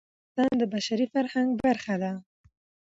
ځمکنی شکل د افغانستان د بشري فرهنګ برخه ده.